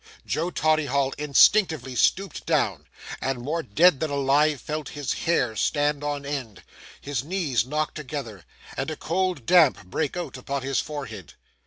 Joe Toddyhigh instinctively stooped down, and, more dead than alive, felt his hair stand on end, his knees knock together, and a cold damp break out upon his forehead.